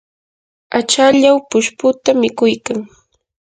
achallaw pushputa mikuykan.